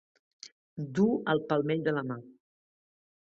Dur al palmell de la mà.